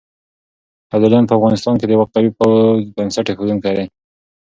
ابداليان په افغانستان کې د يوه قوي پوځ بنسټ اېښودونکي دي.